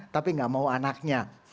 tapi gak mau anaknya